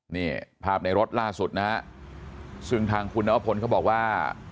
นี่ภาพในรถล่าสุดนะฮะซึ่งทางคุณนวพลเขาบอกว่า